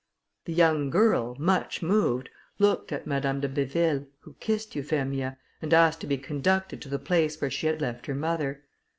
The young girl, much moved, looked at Madame de Béville, who kissed Euphemia, and asked to be conducted to the place where she had left her mother.